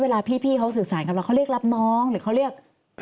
เวลาพี่เขาสื่อสารกับเราเขาเรียกรับน้องหรือเขาเรียก